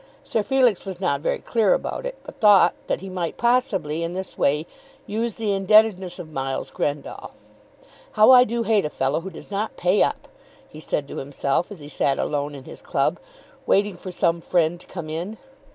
Sir Felix was not very clear about it, but thought that he might possibly in this way use the indebtedness of Miles Grendall. "How I do hate a fellow who does not pay up," he said to himself as he sat alone in his club, waiting for some friend to come in.